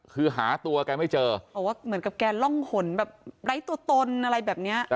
คือหาตัวแกไม่เจอบอกว่าเหมือนกับแกล่องหนแบบไร้ตัวตนอะไรแบบเนี้ย